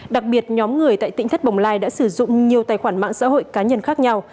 đặc biệt nhóm người tại tỉnh thất bồng lai đã sử dụng nhiều tài khoản mạng xã hội cá nhân khác nhau